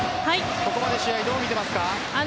ここまで試合どう見ていますか？